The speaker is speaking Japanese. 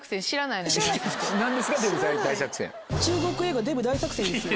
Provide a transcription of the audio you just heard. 中国映画『デブ大作戦』ですよ。